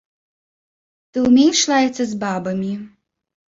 Ты ўмееш лаяцца з бабамі?